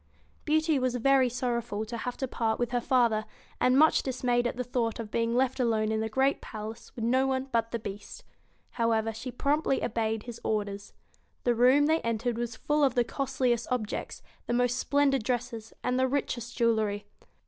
Beauty was very sorrowful to have to part with her father, and much dismayed at the thought of being left alone in the great palace with no one but the Beast. However, she promptly obeyed his orders. The room they entered was full of the costliest objects, the most splendid dresses, and the richest jewelry.